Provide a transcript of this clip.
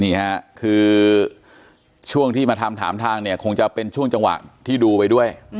นี่ค่ะคือช่วงที่มาทำถามทางเนี่ยคงจะเป็นช่วงจังหวะที่ดูไปด้วย